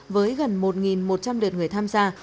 với gần một một trăm linh đợt người tham gia